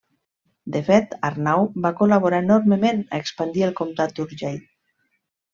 De fet, Arnau va col·laborar enormement a expandir el comtat d'Urgell.